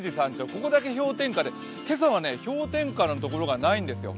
ここだけ氷点下で今朝は氷点下の所がないんですよ。